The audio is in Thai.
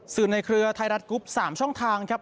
สื่อในเครือไทรัตรกรุ๊ป๓ช่องทางครับ